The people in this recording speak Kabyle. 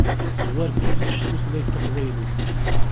Tezwar kullec tutlayt taqbaylit.